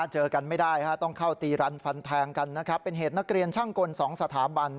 เจอกันไม่ได้ฮะต้องเข้าตีรันฟันแทงกันนะครับเป็นเหตุนักเรียนช่างกลสองสถาบัน